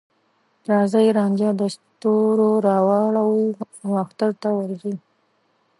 راځې رانجه د ستوروراوړو، واخترته ورځو